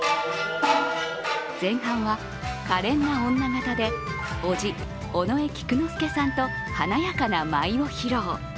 前半は可憐な女形で叔父、尾上菊之助さんと華やかな舞を披露。